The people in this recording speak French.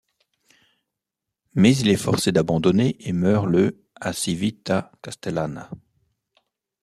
Mais il est forcé d'abandonner et meurt le à Civita' Castellana.